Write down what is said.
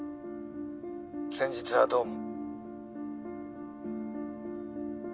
先日はどうも。